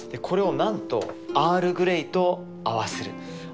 これをなんとアールグレイと合わせる。